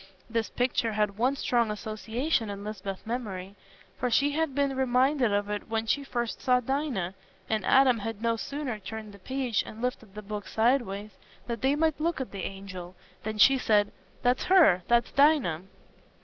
This picture had one strong association in Lisbeth's memory, for she had been reminded of it when she first saw Dinah, and Adam had no sooner turned the page, and lifted the book sideways that they might look at the angel, than she said, "That's her—that's Dinah."